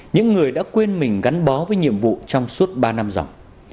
những người đã quên mình gắn bó với nhiệm vụ trong suốt ba năm giỏng